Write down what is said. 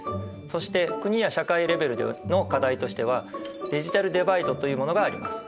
そして国や社会レベルでの課題としてはデジタルデバイドというものがあります。